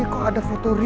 ini kok ada foto riri